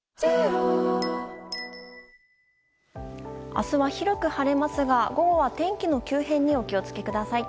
明日は広く晴れますが午後は天気の急変にお気をつけください。